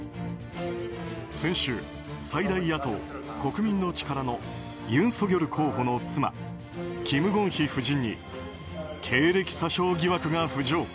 先週、最大野党・国民の力のユン・ソギョル候補の妻キム・ゴンヒ夫人に経歴詐称疑惑が浮上。